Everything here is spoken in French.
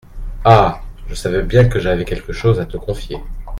Ah ! je savais bien que j’avais quelque chose à te confier.